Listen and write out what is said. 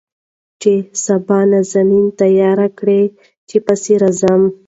چې سبا نازنين تيار کړي چې پسې راځم.